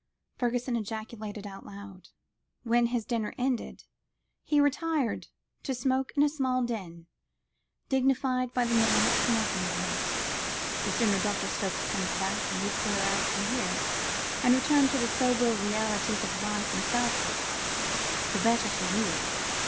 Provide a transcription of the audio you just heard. Fergusson ejaculated aloud, when, his dinner ended, he retired to smoke in a small den, dignified by the name of smoking room; "the sooner Dr. Stokes comes back and you clear out from here and return to the sober realities of life in Southwark, the better for you.